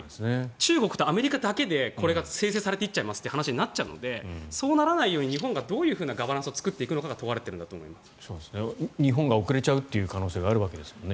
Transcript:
中国とアメリカだけでこれが生成されていくことになるのでそうならないように日本がどういうガバナンスを作っていくのかが日本が遅れちゃう可能性があるわけですもんね。